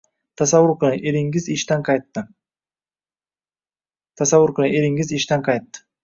Tasavvur qiling: eringiz ishdan qaytdi.